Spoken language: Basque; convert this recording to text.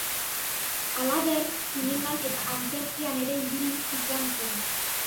Halaber, zineman eta antzerkian ere ibili izan zen.